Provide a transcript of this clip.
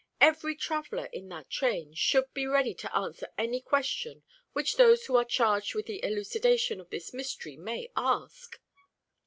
Every traveller in that train should be ready to answer any question which those who are charged with the elucidation of this mystery may ask."